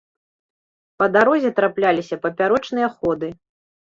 Па дарозе трапляліся папярочныя ходы.